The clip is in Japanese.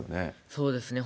そうですね。